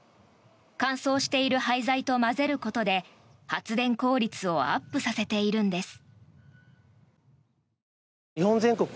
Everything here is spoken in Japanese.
乾燥している廃材と混ぜることで発電効率をアップさせているんです。